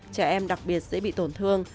trẻ em đặc biệt sẽ bị tổn thương